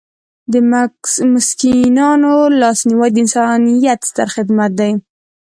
د مسکینانو لاسنیوی د انسانیت ستر خدمت دی.